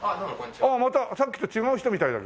ああまたさっきと違う人みたいだけど。